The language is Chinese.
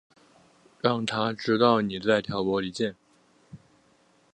让他知道妳在挑拨离间